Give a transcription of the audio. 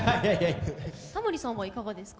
タモリさんはいかがですか？